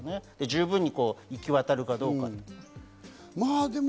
十分に行き渡るかどうか。